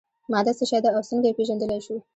ماده څه شی ده او څنګه یې پیژندلی شو.